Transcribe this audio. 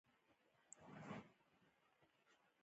طبیعت او چاپیریال